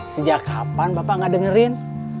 sejak kapan bapak gak dengerin